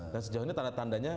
dan sejauh ini tanda tandanya